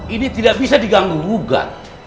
ini tidak bisa diganggu gugat